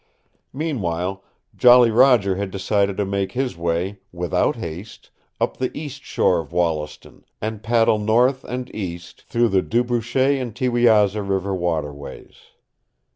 Meanwhile Jolly Roger had decided to make his way without haste up the east shore of Wollaston, and paddle north and east through the Du Brochet and Thiewiaza River waterways.